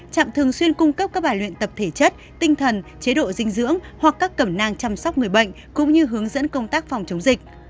trạm thường xuyên cung cấp các bài luyện tập thể chất tinh thần chế độ dinh dưỡng hoặc các cẩm nang chăm sóc người bệnh cũng như hướng dẫn công tác phòng chống dịch